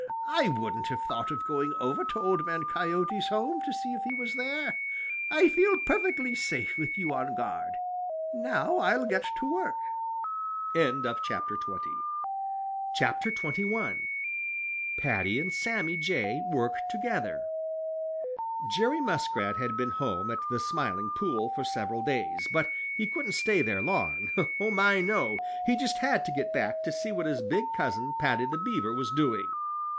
"I wouldn't have thought of going over to Old Man Coyote's home to see if he was there. I'll feel perfectly safe with you on guard. Now I'll get to work." XXI PADDY AND SAMMY JAY WORK TOGETHER Jerry Muskrat had been home at the Smiling Pool for several days. But he couldn't stay there long. Oh, my, no! He just had to get back to see what his big cousin, Paddy the Beaver, was doing.